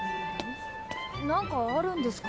なんかあるんですか？